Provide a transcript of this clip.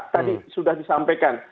tadi sudah disampaikan